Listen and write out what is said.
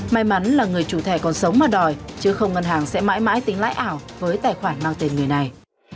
may mắn là người chủ thẻ còn sống mà đòi chứ không ngân hàng sẽ mãi mãi tính lãi ảo với tài khoản mang tên người này